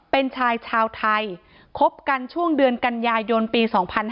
เป็นชายชาวไทยคบกันช่วงเดือนกันยายนปี๒๕๕๙